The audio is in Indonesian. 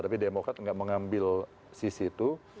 tapi demokrat nggak mengambil sisi itu